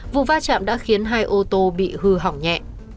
vụ va chạm đã khiến hai ô tô bị hư hỏng nhẹ